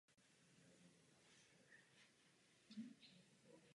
Proto nejsme v těchto dnech neteční.